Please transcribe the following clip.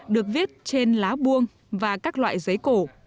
được viết trên lá buông và các loại giấy cổ